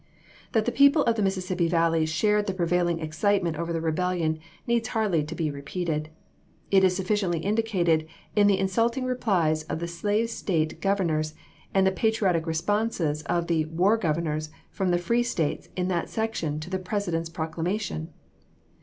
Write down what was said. That the people of the Mississippi Valley shared the prevailing excitement over the rebellion, needs hardly to be repeated; it is sufficiently indicated in the insulting replies of the slave State Govern ors, and the patriotic responses of the " War Gov ernors " from the free States in that section to the President's proclamation.